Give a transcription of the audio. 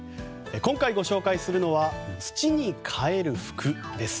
今回ご紹介するのは土にかえる服です。